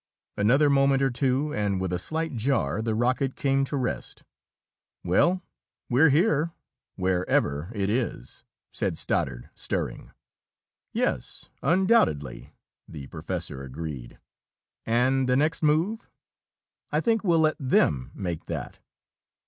Another moment or two, and with a slight jar the rocket came to rest. "Well, we're here, wherever it is," said Stoddard, stirring. "Yes, undoubtedly," the professor agreed. "And the next move?" "I think we'll let them make that."